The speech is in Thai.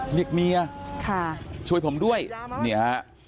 เรียกเมียค่ะช่วยผมด้วยเนี่ยฮะ